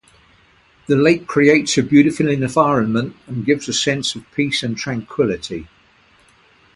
The lake creates a beautiful environment and gives a sense of peace and tranquillity.